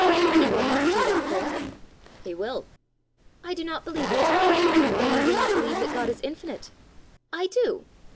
"He will not do that for ever!" "He will." "I do not believe it." "Then you do not believe that God is infinite!" "I do."